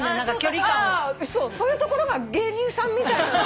そういうところが芸人さんみたい。